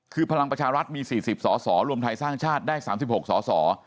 คือพลังประชารัฐมี๔๐สสรวมไทยสร้างชาติได้๓๖สส